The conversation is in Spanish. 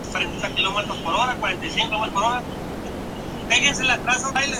Ya era un estado de la Dinastía Zhou.